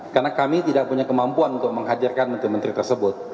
karena kami tidak punya kemampuan untuk menghadirkan menteri menteri tersebut